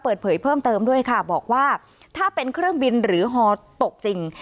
เปิดเผยเพิ่มเติมด้วยค่ะบอกว่าถ้าเป็นเครื่องบินหรือฮอตกจริง